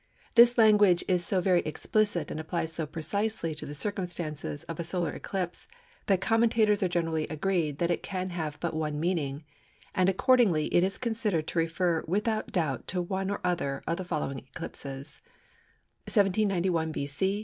This language is so very explicit and applies so precisely to the circumstances of a solar eclipse that commentators are generally agreed that it can have but one meaning; and accordingly it is considered to refer without doubt to one or other of the following eclipses:—791 B.C.